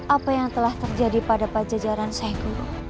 apa yang telah terjadi pada pajajaran syekh guru